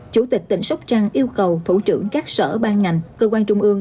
chủ tịch tỉnh sóc trăng yêu cầu thủ trưởng các sở ban ngành cơ quan trung ương